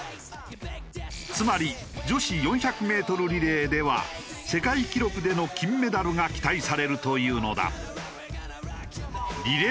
つまり女子４００メートルリレーでは世界記録での金メダルが期待されるというのだ。